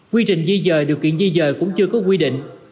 quy trình di dời điều kiện di dời cũng chưa có quy định